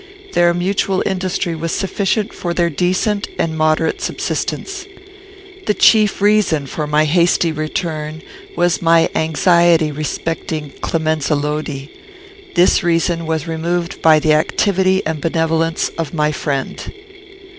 Their mutual industry was sufficient for their decent and moderate subsistence. The chief reason for my hasty return was my anxiety respecting Clemenza Lodi. This reason was removed by the activity and benevolence of my friend.